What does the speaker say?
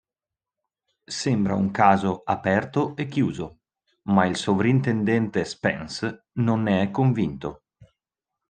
Sembra un caso aperto e chiuso, ma il sovrintendente Spence non ne è convinto.